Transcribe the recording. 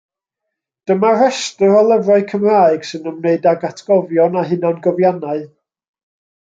Dyma restr o lyfrau Cymraeg sy'n ymwneud ag Atgofion a Hunangofiannau.